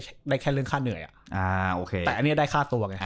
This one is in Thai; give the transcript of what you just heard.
มันได้แค่เรื่องค่าเหนื่อยแต่อันนี้ได้ค่าตัว